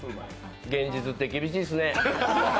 現実って厳しいっすね。